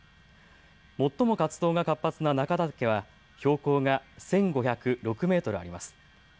最も活動が活発な中岳は標高が１５０６メートルあります。